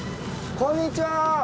こんにちは。